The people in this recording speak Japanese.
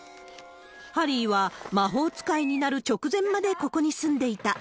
ハリーは、魔法使いになる直前まで、ここに住んでいた。